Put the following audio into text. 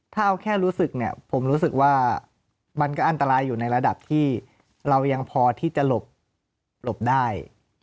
ถ้าเอาแค่รู้สึกเนี่ยผมรู้สึกว่ามันก็อันตรายอยู่ในระดับที่เรายังพอที่จะหลบได้